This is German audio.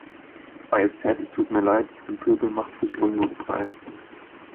Majestät es tut mir Leid, im Pöbel macht sich Unmut breit.